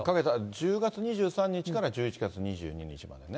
１０月２３日から１１月２２日までね。